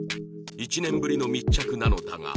１年ぶりの密着なのだが